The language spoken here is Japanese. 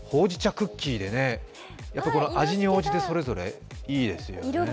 クッキーで、味に応じてそれぞれですよね。